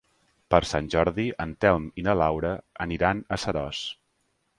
Per Sant Jordi en Telm i na Laura aniran a Seròs.